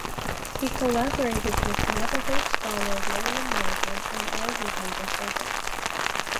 He collaborated with Navajo scholar William Morgan on all his major projects.